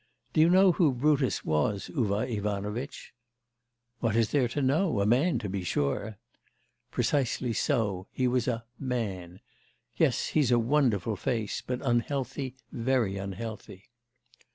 Do you know who Brutus was, Uvar Ivanovitch?' 'What is there to know? a man to be sure.' 'Precisely so: he was a "man." Yes he's a wonderful face, but unhealthy, very unhealthy.